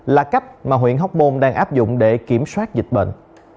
là cách mà huyện hóc môn đang áp dụng để kiểm soát dịch bệnh